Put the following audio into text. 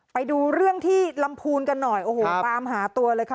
ไปดูเรื่องที่ลำพูนกันหน่อยโอ้โหตามหาตัวเลยค่ะ